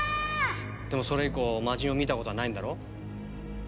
でもそれ以降魔人を見た事はないんだろ？